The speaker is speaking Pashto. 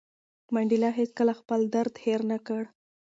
منډېلا هېڅکله خپل درد هېر نه کړ.